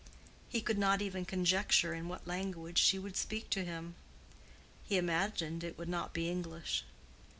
He could not even conjecture in what language she would speak to him. He imagined it would not be English.